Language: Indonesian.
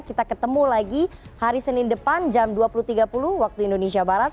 kita ketemu lagi hari senin depan jam dua puluh tiga puluh waktu indonesia barat